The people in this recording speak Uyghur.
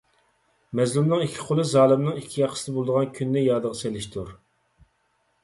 مەزلۇمنىڭ ئىككى قولى زالىمنىڭ ئىككى ياقىسىدا بولىدىغان كۈننى يادىغا سېلىشتۇر.